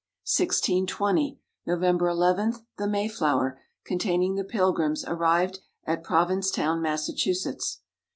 1620, November 11, the "Mayflower," containing the Pilgrims, arrived at Provincetown, Massachusetts.